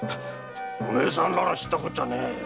お前さんらが知ったこっちゃねえよ。